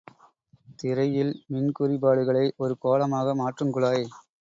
திரையில் மின்குறிபாடுகளை ஒரு கோலமாக மாற்றுங் குழாய்.